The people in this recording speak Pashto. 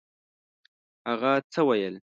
هغه څه ویل؟